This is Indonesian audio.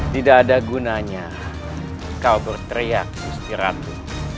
tidak ada gunanya kau berteriak istirahatmu